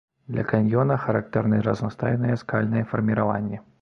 Для каньёна характэрны разнастайныя скальныя фарміраванні.